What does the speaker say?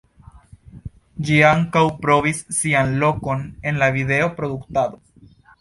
Ĝi ankaŭ trovis sian lokon en la video-produktado.